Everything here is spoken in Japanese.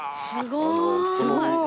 すごーい！